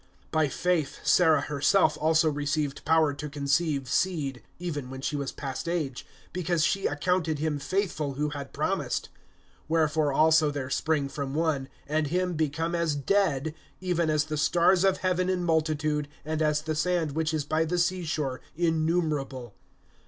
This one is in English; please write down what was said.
(11)By faith Sarah herself also received power to conceive seed, even when she was past age, because she accounted him faithful who had promised. (12)Wherefore also there sprang from one, and him become as dead, even as the stars of heaven in multitude, and as the sand which is by the sea shore innumerable.